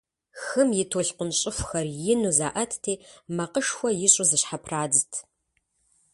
Хым и толъкъун щӀыхухэр ину заӀэтти макъышхуэ ищӀу зыщхьэпрадзт.